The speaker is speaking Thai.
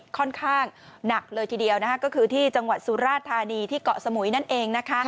ค่อนข้างหนักเลยทีเดียวก็คือที่จังหวัดสุราธานีที่เกาะสมุยนั่นเองนะคะ